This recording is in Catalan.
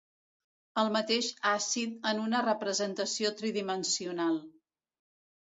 El mateix àcid en una representació tridimensional.